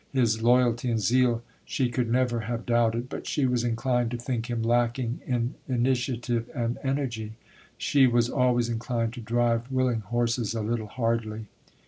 His loyalty and zeal she could never have doubted; but she was inclined to think him lacking in initiative and energy. She was always inclined to drive willing horses a little hardly.